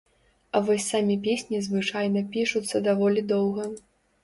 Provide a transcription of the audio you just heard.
А вось самі песні звычайна пішуцца даволі доўга.